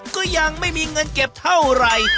ก็ยังไม่มีเงินเก็บเท่าไหร่